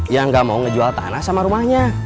yang gak mau ngejual tanah sama rumahnya